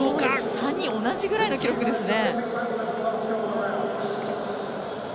３人、同じぐらいの記録ですね。